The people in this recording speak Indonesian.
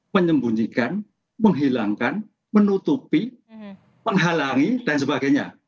menyembunyikan menghilangkan menutupi menghalangi dan sebagainya